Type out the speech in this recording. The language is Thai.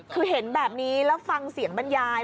คือเห็นแบบนี้แล้วฟังเสียงบรรยาย